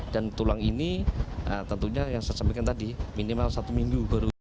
dan tulang ini tentunya yang saya sampaikan tadi minimal satu minggu baru